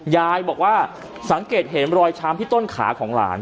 ยายบอกว่าสังเกตเห็นรอยช้ำที่ต้นขาของหลาน